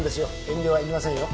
遠慮はいりませんよ。